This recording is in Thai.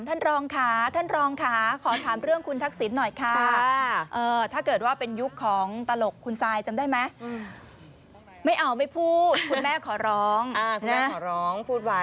ท่านรองค่ะขอเรื่องคุณนักกิจเลยค่ะ